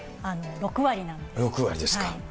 ６割ですか。